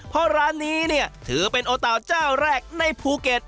เพราะร้านนี้เนี่ยถือเป็นโอตาวเจ้าแรกในภูเก็ต